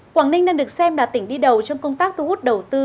quảng ninh đang được xem là tỉnh đi đầu trong công tác thu hút đầu tư